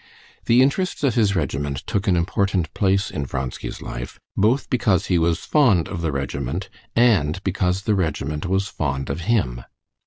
The interests of his regiment took an important place in Vronsky's life, both because he was fond of the regiment, and because the regiment was fond of him.